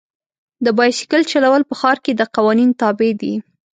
د بایسکل چلول په ښار کې د قوانین تابع دي.